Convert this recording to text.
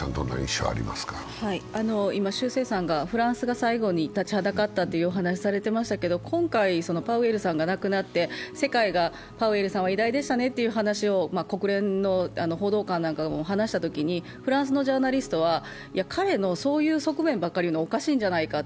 今、フランスが最後に立ちはだかったというお話をされていましたが、今回、パウエルさんが亡くなって世界がパウエルさんは偉大でしたねという話を国連の報道官なんかが話したときに、フランスのジャーナリストは彼のそういう側面ばっかり言うのはおかしいんじゃないかと